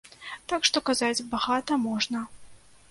Так што казаць багата можна.